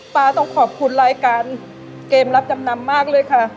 ป้าต้องขอบคุณรายการเกมรับจำนำมากเลยค่ะ